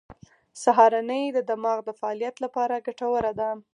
سهارنۍ د دماغ د فعالیت لپاره ګټوره ده.